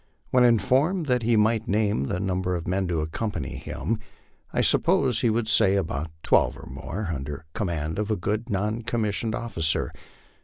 When informed that he might name the number of men to accompany him, I supposed he would say about twelve or more, under command of a good non commissioned officer.